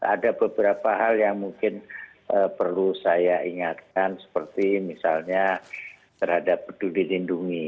ada beberapa hal yang mungkin perlu saya ingatkan seperti misalnya terhadap peduli lindungi